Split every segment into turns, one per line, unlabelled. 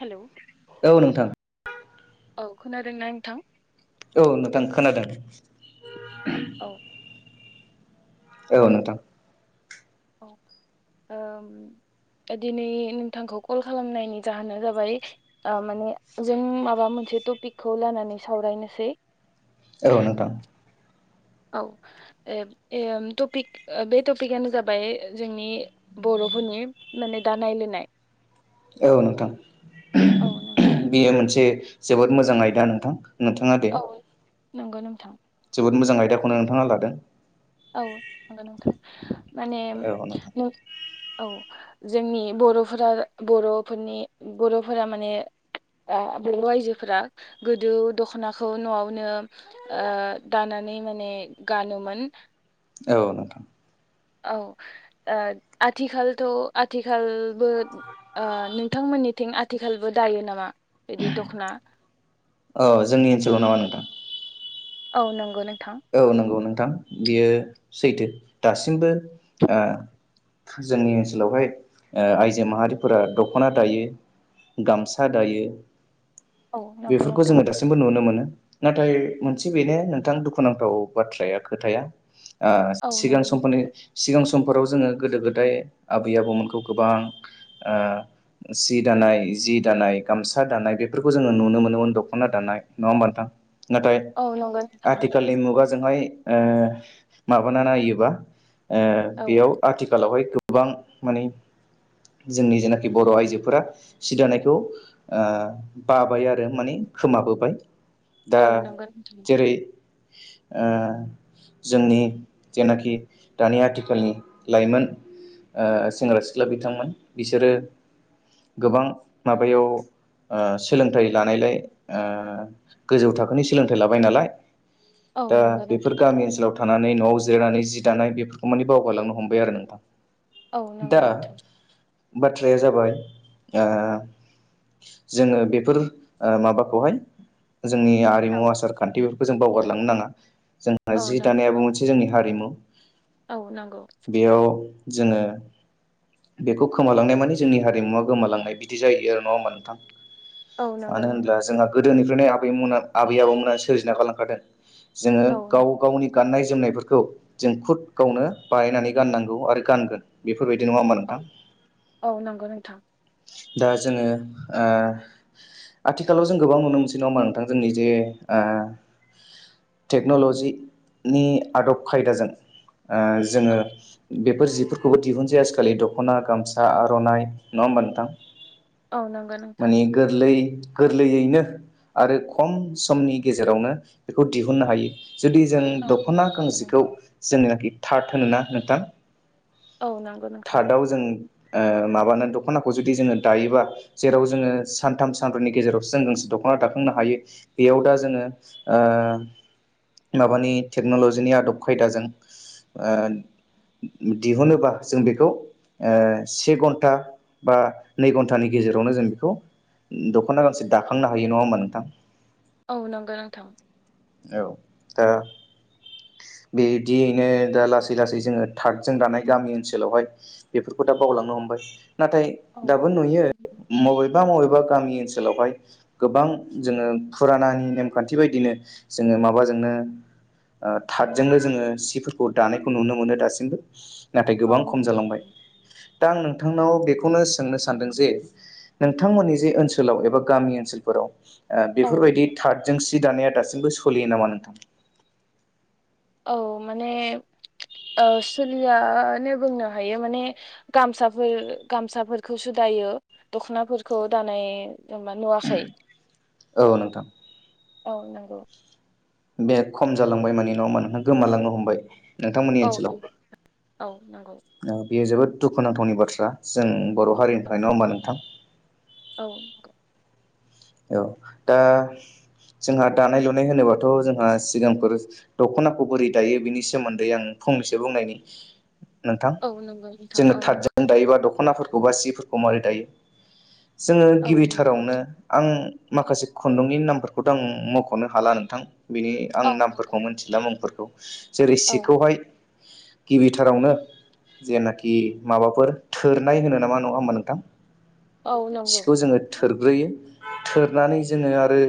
Hello
[inaudible] औ नोंथां
औ खोनादों ना नोंथां?
औ नोंथां खोनादों
औ
औ नोंथां
औ ओ दिनै नोंथांखौ कल खालामनायनि जाहोना जाबाय ओ माने जों माबा मोनसे टपिकखौ लानानै सावरायनोसै।
औ नोंथां
औ ओम टपिक बे टपिकनो जाबाय जोंनि बरफोरनि माने दानाय लुनाय।
औ नोंथां
औ नों
बेयो मोनसे दे जोबोद मोजां आयदा नोंथां। नोंथाङा दे
औ नंगौ नोंथां
जोबोद मोजां आयदाखौनो नोंथाङा लादों।
औ नंगौ नोंथां माने
औ नोंथां
नो औ जोंनि बरफोरा बरफोरनि बरफोरा माने बर आइजोफोरा गोदो दखनाखौ नआवनो ओ दानानै माने गानोमोन।
औ नोंथां
औ आथिखालथ आथिखालबो ओ नोंथांमोनिथिं आथिखालबो दायो नामा? बिदि दख'ना
औ जोंनि ओनसोलाव नामा नोंथां
औ नंगौ नों
औ नंगौ नोंथां बियो सैथो दासिमबो ओ जोंनि ओनसोलावहाय ओ आइजो माहारिफोरा दखना दायो गामसा दायो।
औ नंगौ
बेफोरखौ जोङो
नोंथां
दासिमबो नुनो मोनो। नाथाय मोनसे बेनो नोंथां दु दखुनांथाव बाथ्राया खोथाया ओ
औ
सिगां
नंगौ
समफोरनि
नोंथां
सिगा समफोराव जोङो गोदो गोदाय आबै आबौमोनखौ गोबां ओ सि दानाय जि दानाय गामसा दानाय बेफोरखौ जोङो नुनो मोनोमोन दखना दानाय नङा होमबा नोंथां। नाथाय
औ नंगौ
आथिखालनि मुगाजोंहाय ओ माबाना नायोबा। ओ
औ
बेयाव आथिखालावहाय गोबां माने जोंनि जेनाखि बर आइजोफोरा सि दानायखौ ओ बाबाय आरो माने खोमाबोबाय। दा
औ नंगौ नोंथां
जेरै ओ जोंनि जेनाखि दानि आथिखालनि लाइमोन ओ सेंग्रा सिख्ला बिथांमोन बिसोरो गोबां माबायाव ओ सोलोंथाइ लानायलाय ओ गोजौ थाखोनि सोलोंथाइ लाबाय नालाय
औ
दा
नंगौ
बेफोर
नोंथां
गामि ओनसोलाव था थानानै नआव जिरायनानै जि दानाय बेफोरखौ माने बावगारलांनो हमबाय आरो नोंथां।
औ
दा
नोंगो नोंथां।
बाथ्राया जाबाय ओ जोङो बेफोर ओ माबाखौहाय जोंनि
औ
आरिमु आसार खानथि जों बावगारलांनो नाङा। जोंहा
औ
जि
नों
दानायाबो मोनसे जोंनि हारिमु।
औ नोंगौ।
बेयाव जोङो बेखौ खोमालांनाय माने जोंनि हारिमुवा गोमालांनाय बिदि जायो आरो नङा होमबा नोंथां?
औ नंगौ
मानो होनब्ला
नोंथां
जोंहा गोदोनि आबैमुना आबै आबौमोना सोरजिना गालां होदो। जोङो
औ नों
गाव गावनि गाननाय जोमनायफोरखौ जों खुद गावनो बानानै गाननांगौ आरो गानगोन बे बेफोरबायदि नङा होमबा
औ
नोंथां?
औ नंगौ नोंथां
दा जोङो ओ आथिखालाव जों गोबां नुनो मोनसै नङा होमबा नोंथां जोंनि जे ओ टेक्न'ल'जिनि आदब खायदाजों ओ जोङो
औ
बेफोर जि फोरखौबो दिहुनसै आजिखालि दख'ना, गामसा, आर'नाइ नङा होमबा नोंथां?
औ नंगौ नोंथां
माने गोरलै गोरलैयैनो आरो खम समनि गेजेरावनो बेखौ दिहुननो हायो। जुदि जों
औ
दख'ना
जागोन
गांसेखौ
नोंथां।
जोंनो थार्द होनोना नोंथां?
औ नोंगो नोंथां।
थार्दआव जों ओ माबानो दख'नाखौ जुदि जोङो दायोबा जेराव जोङो सानथाम सानब्रैनि गेजेरावसो जों गांसे दख'ना दाखांनो हायो बेयाव दा जोङो ओ माबानि टेक्नलजिनि आदब खायदाजों ओ दिहुनोबा जों बेखौ ओ से घन्टा बा नै घन्टानि गेजेरावनो जों बेखौ दख'ना गांसे दाखांनो हायो नङा होमबा नोंथां?
औ नोंगो नोंथां।
औ दा बिदियैनो दा लासै लासै जोङो थार्दजों दानाय गामि ओनसोलावहाय बेफोरखौ दा बावलांनो हमबाय। नाथाय
औ
दाबो नुयो मबेबा मबेबा गामि ओनसोलावहाय गोबां जोङो फुरानानि नेमखानथि बायदिनो जोङो माबाजोंनो ओ थादजोंनो जोङो सिफोरखौ दानायखौ नुनो मोनो दासिमबो। नाथाय गोबां खम
औ।
जालांबाय। दा आं नोंथांनाव बेखौनो सोंनो सानदों जे नोंथांमोननि जे ओनसोलाव एबा गामि ओनसोलफोराव ओ
औ
बेफोरबायदि थार्दजों जि दानाया दासिमबो सलियो नामा नोंथां
औ माने ओ सोलियानो बुंनो हायो माने गामसाफोर गामसाफोरखौसो दायो दख'नाफोरखौ दानाय नुवाखै
औ नोंथां
औ
बे खम जालांबाय माने नङा होनबा नोंथां गोमालांनो हमबाय नोंथांमोननि
औ
ओनसोलाव
नंगौ औ नंगौ
बेयो जोबोद दुखुनांथावनि बाथ्रा जों बर' हारिनिफ्राय नङा होनबा नोंथां
औ
औ दा जोंहा दानाय लुनाय होनोबाथ' जोंहा सिगांफोर दख'नाखौ बोरै दायो बिनि सोमोन्दै आं फंनैसो बुंनायनि नोंथां
औ नंगौ नोंथां
जोङो
औ नंगौ।
थादजों दायोबा दख'ना दख'नाफोरखौ बा सिफोरखौ माबारै दायो जोङो
औ नंगौ
गिबिथारावनो आं माखासे खुन्दुंनि नामफोरखौथ' आं मख'नो हाला नोंथां बिनि आं
औ नंगौ
नामफोरखौ मिथिला मुंफोरखौ [inaudible] जेरै
औ
सिखौहाय गिबिथारावनो जेनाखि माबाफोर थोरनाय होनो नामा नङा होमबा नोंथां
औ नंगौ
सिखौ
औ
जोङो थोरग्रोयो थोरनानै जोङो आरो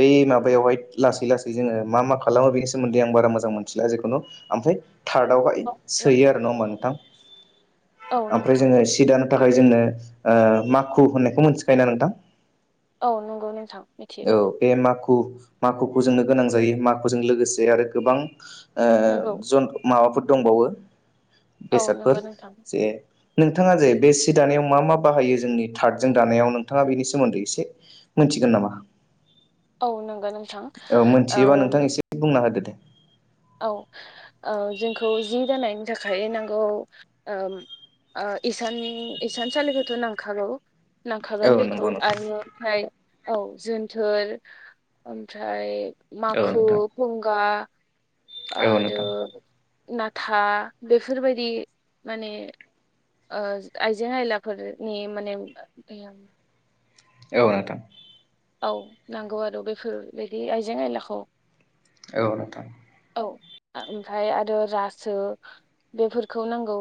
बै माबायावहाय लासै लासै जोङो मा मा खालामो बेनि सोमोन्दै आं बारा मोजां मोनथिला जेखुनु ओमफ्राय थादाव आवहाय सोयो
नंगौ
आरो नोंथां
औ
ओमफ्राय
नोंथां
जोङो सि दानो थाखाय जोंनो ओ माखु होननायखौ मोनथिखायोना नोंथां
औ नंगौ नोंथां मिथियो
औ बे माखु माखुखौ जोंनो गोनां जायो माखुजों लोगोसे आरो गोबां
नंगौ
ओ माबाफोर दंबावो
औ
बेसादफोर
नंगौ नोंथां।
जे नोंथाङा जे बे सि दानायाव मा मा बाहायो जोंनि थादजों दानायाव नोंथाङा बेनि सोमोन्दै एसे मिथिगोन नामा
औ नंगौ नोंथां औ
मोनथियोबा नोंथां एसे बुंना होदो दे
औ जोंखौ जि दानायनि थाखाय नांगौ इसान इसानसालिखौथ' नांखागौ
औ
नांखागोन बेखौ
नंगौ नोंथां
आरो ओमफ्राय औ जोनथोर ओमफ्राय
औ
माखु
नोंथां
फुंगा
औ
आरो।
नोंथां
नाथाय बेफोरबायदि माने आइजें आयलाफोरनि माने।
औ नोंथां।
औ नांगौ आरो बेफोरबायदि आइजें आयलाखौ।
औ नोंथां।
औ ओमफाय आरो रासो बेफोरखौ नांगौ।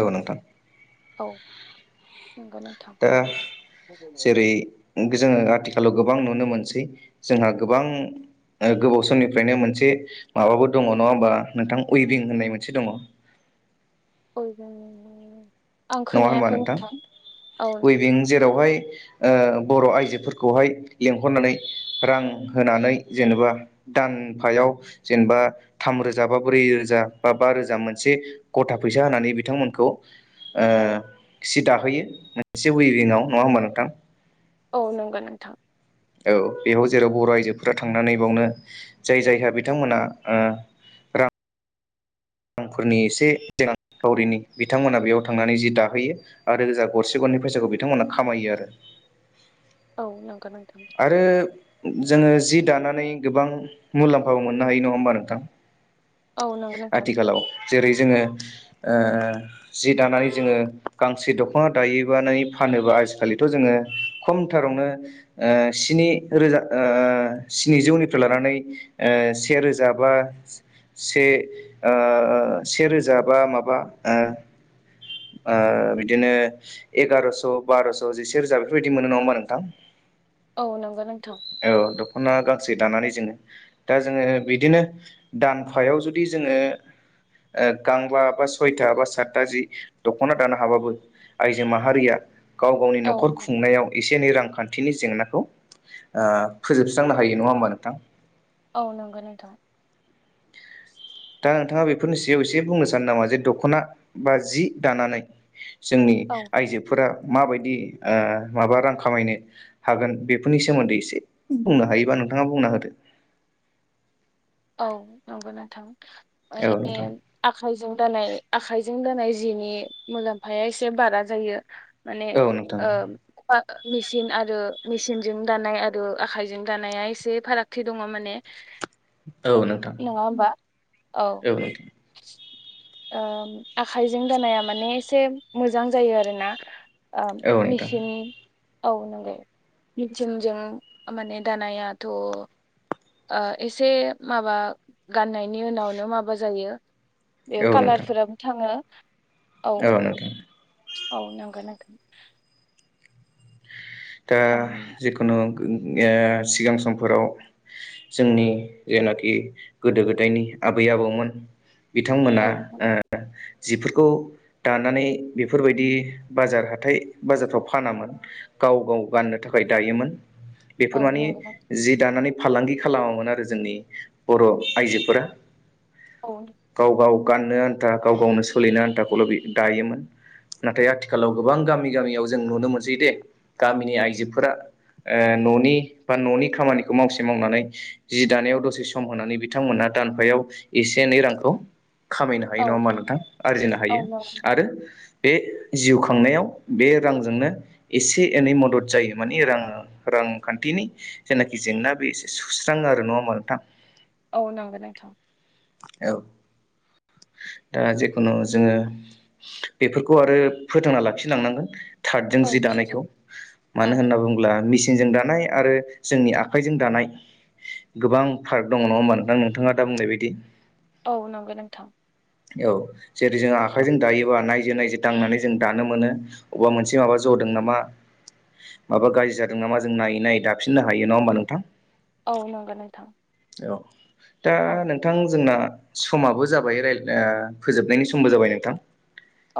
औ नोंथां।
औ। नंगौ नोंथां।
जोंङो आथिखालाव गोबां नुनो मोनसै जोंहा गोबां गोबाव समनिफ्रायनो मोनसे माबाबो दङ नङा होमबा नोंथां उइभिं होननाय मोनसे दङ।
उइभिं।
नङा होनबा नोंथां
औ
उइभिं जे जेरावहाय ओ बर आइजोफोरखौहाय लेंहरनानै रां होनानै जेनेबा दानफायाव जेनेबा थामरोजा बा ब्रै रोजा बा बा रोजा मोनसे गथा फैसा होनानै बिथांमोनखौ ओ सि दाहोयो मोनसे उइभिंआव नङा होमबा नोंथां।
औ नंगौ नोंथां।
औ बेयाव जेराव बर आइजोफोरा थांनानै बावनो जाय जायहा बिथांमोनहा ओ रां। रांफोरनि एसे रांखावरिनि बिथांमोना बेयाव थांनानै जि दाहोयो आरो जा गरसे गरनै फैसाखौ बिथांमोना खामायो आरो।
औ नंगौ नंगौ।
आरो। जोंङो जि दानानै गोबां मुलाम्फाबो मोननो हायो नङा होमबा नोंथां।
औ नंगौ नोंथां।
आथिखालाव जेरै जोंङो ओ जि दानानै जोंङो गांसे दखना दायोबानै फानोबा आजिखालिथ जोंङो खमथारावनो। ओ स्नि रोजा ओ स्निजौनिफ्राय लानानै ओ से रोजा बा से ओ से रोजा बा माबा ओ ओ बिदिनो एगारस बारस जिसे रोजा बेफोरबायदि मोनो नङा होनबा नोंथां।
औ नंगौ नोंथां
औ दखना गांसे दानानै जोंङो दा जोंङो बिदिनो दानफायाव जुदि जोंङो गांबा बा सयथा बा सातथा जि दखना दानो हाबाबो आइजो माहारिया गाव गावनि
औ
नखर खुंनायाव एसे एनै रांखान्थि थिनि जेंना खौ ओ फोजोबस्रांनो हायो नङा होमबा नोंथां।
औ नंगौ नोंथा।
दा नोंथाङा बेफोरनि सायाव एसे बुंनो सानो नामा जे दखना बा जि दानानै। जोंनि
औ
आइजोफोरा माबायदि ओ माबा रां खामायनो हागोन बेफोरनि सोमोन्दै एसे बुंनो हायोबा नोंथाङा बुंना होदो।
औ नंगौ नोंथां।
औ
माने
नोंथां
आखाइजों दानाय आखाइजों दानाय। जिनि मुलाम्फाया एसे बारा जायो। माने
औ नोंथां
ओ। मेसिन आरो मेसिनजों दानाय आरो आखायजों दानाया एसे फारागथि दङ माने
औ नोंथां
नङा होमबा
औ नोंथां।
ओ आखाइजों दानाया माने एसे मोजां जायो आरोना ओ
औ नोंथां
मेसिननि औ नंगौ मिसिनजों माने दानायाथ ओ एसे माबा गाननायनि उनावनो माबा जायो बेयाव
औ नोंथां
कालारफोराबो थाङो
औ नग
औ नंांगोन नांगोन
दा जिखुनु सिगां समफोराव जोंनि जेनाखि गोदो गोदायनि आबै आबौमोन बिथांमोना
औ
जिफोरखौ दानानै बेफोरबायदि बाजार हााइ बाजारफ्राव फानामोन गाव गाव गाननो थाखाय दायोमोन बेफोर
औ
माने
नंगौ नोंथां
जि दानानै फालांगि खालामामोन आरो जोंनि बर' आइजोफोरा
औ
गाव गाव गाननो आन्था गाव गावनो सोलिनो आन्थाखौल' दायोमोन नाथाय आथिखालाव गोबां गामि गामियाव जों नुनो मोनसै दे गामिनि आइजोफोरा न'नि बा न'नि खामानिखौ मावसे मावनानै जि दानायाव दसे सम होनानै बिथांमोनहा दानफायाव एसे एनै रांखौ खामायनो हायो
औ
नङा होमा नोंथां आरजिनो
औ
हायो
नंगौ
आरो बे जिउ खांनायाव बे रांजोंनो एसे एनै मदद जायो मानिे रां रांखान्थिनि जेनाखि जेंना बे एसे सुस्राङो आरो नङाोमा नोंथां
औ नांगोन आंथां
औ दा जेखुनु जोङो बेफोरखौ आरो फोथांना लाखिलांनांगोन थार्दजों
औ
जि दानायखौ मानो होनना बुङोब्ला मि सिनजों दानाय आरो जोंनि आखाइजों दानाय गोबां पार्क दङ नङा होमबा नोंथां नोंथाङा दा बुंनाय बायदि
औ नंगोन नोंथां
औ जेरै जोंङो
औ
आखाइजों दायोानाय नायजे दांनानै जों दानो मोनो अबेबा मोनसे माबा जदों नामा माबा गाज्रि जादों नामा जों नायै नायै दाफिननो हायो नङा होमबा नोंथां
औ नंगौ नोंथां
औ दा
औ
नोंथां जोंना समाबो जाबाय राय फोजोबनायनि समबो जाबाय नोंथां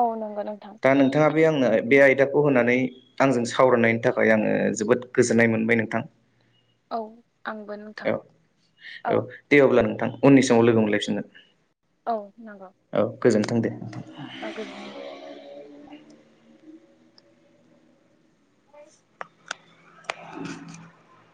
औ नंगौ नोंथां
नोंथाङा दा बे आंनो बे आयदाखौ होनानै आंजों सावरायनायनि थाखाय आङो जोबोद गोजोननाय मोनबाय नोंथां
औ आंबो नोंथां
औ औ दे अब्ला नों उननि समाव लोगो मोनलायफिनगोन।
औ नंगौ
औ गोजोनथों दे।
औ गोजोन्थों
औ